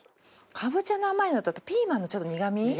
かぼちゃの甘いのとあとピーマンのちょっと苦み。